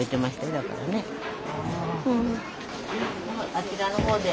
あちらのほうで。